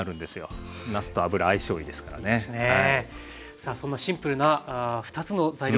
さあそんなシンプルな２つの材料